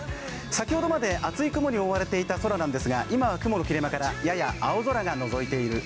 先ほどまで厚い雲に覆われていた空なんですが今は雲の切れ間からやや青空がのぞいているす。